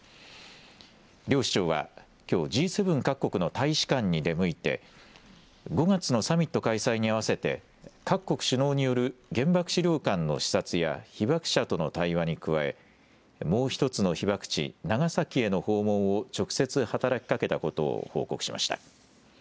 両市長はきょうＧ７各国の大使館に出向いて５月のサミット開催に合わせて各国首脳による原爆資料館の視察や被爆者との対話に加えもう１つの被爆地、長崎への訪問を直接働きかけたことを報告しました。